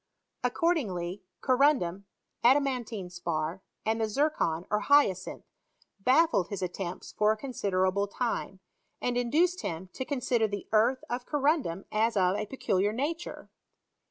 Ac cordingly corundum, adamantine spar, and the xtr con, or hyacinth, baffled bis attempts for a con^derft ble time, and induced liim to consider the earth of corundum as of a peculiar nature.